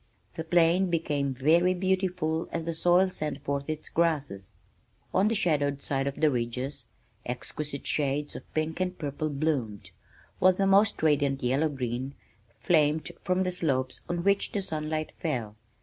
The plain became very beautiful as the soil sent forth its grasses. On the shadowed sides of the ridges exquisite shades of pink and purple bloomed, while the most radiant yellow green flamed from slopes on which the sunlight fell.